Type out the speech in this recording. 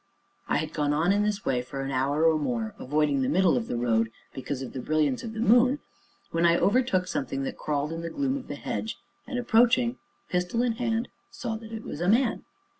I had gone on, in this way, for an hour or more, avoiding the middle of the road, because of the brilliance of the moon, when I overtook something that crawled in the gloom of the hedge, and approaching, pistol in hand, saw that it was a man.